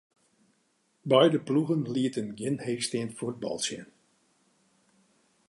De beide ploegen lieten gjin heechsteand fuotbal sjen.